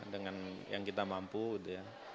dengan yang kita mampu gitu ya